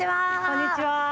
こんにちは。